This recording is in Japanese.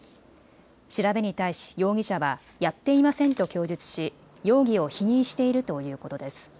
調べに対し、容疑者はやっていませんと供述し容疑を否認しているということです。